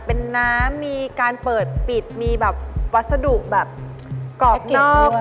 เป็นน้ำมีการเปิดปิดมีแบบวัสดุแบบกรอบนอก